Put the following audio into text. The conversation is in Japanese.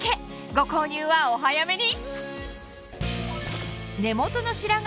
ご購入はお早めに！